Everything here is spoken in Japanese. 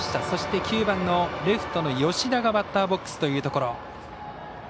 そして、９番のレフトの吉田がバッターボックスというところ。